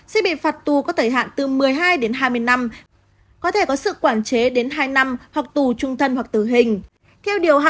sẽ bị phạt tù có thời hạn từ một mươi hai đến hai mươi năm có thể có sự quản chế đến hai năm hoặc tù trung thân hoặc tử hình